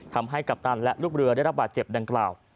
กัปตันและลูกเรือได้รับบาดเจ็บดังกล่าว